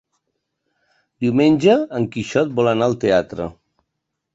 Diumenge en Quixot vol anar al teatre.